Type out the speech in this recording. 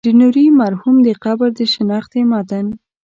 د نوري مرحوم د قبر د شنختې متن.